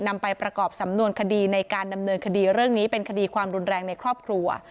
นำไปประกอบสำนวนคดีในการดำเนินคดีเรื่องนี้เป็นคดีความรุนแรงในครอบครัว